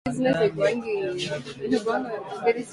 chuma majani ya viazi lishe